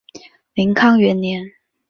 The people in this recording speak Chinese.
宁康元年。